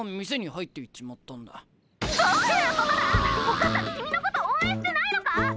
お母さん君のこと応援してないのか！？